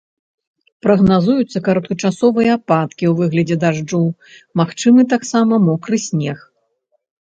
Прагназуюцца кароткачасовыя ападкі ў выглядзе дажджу, магчымы таксама мокры снег.